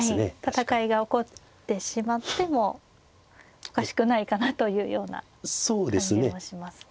戦いが起こってしまってもおかしくないかなというような感じもしますね。